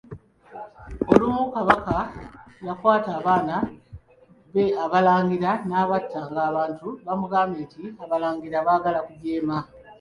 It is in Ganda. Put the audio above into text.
Olumu Kabaka yakwata abaana be Abalangira n'abatta, ng'abantu bamugambye nti abalangira baagala kujeema.